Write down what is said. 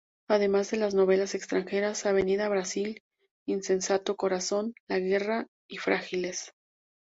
Además de las novelas extranjeras "Avenida Brasil', "Insensato corazón"; "La guerrera" y "Frágiles".